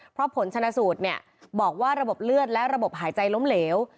เพราะผลชนะสูตรเนี่ยบอกว่าระบบเลือดและระบบหายใจล้มเหลว